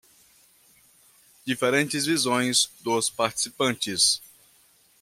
Diferentes visões dos participantes